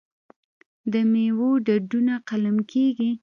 د میوو ډډونه قلم کیږي.